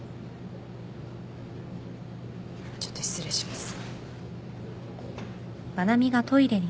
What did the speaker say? ちょっと失礼します。